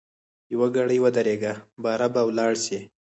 یوګړی ودریږه باره به ولاړ سی.